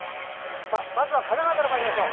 まずは神奈川からまいりましょう。